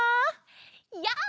やあ！